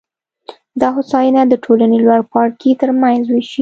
دا هوساینه د ټولنې لوړ پاړکي ترمنځ وېشي